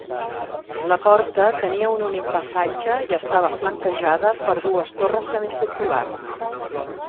La porta tenia un únic passatge i estava flanquejada per dues torres semicirculars.